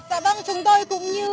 dạ vâng chúng tôi cũng như